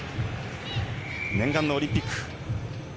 念願のオリンピック。